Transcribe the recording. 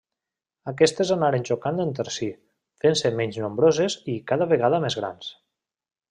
Aquestes anaren xocant entre si, fent-se menys nombroses i cada vegada més grans.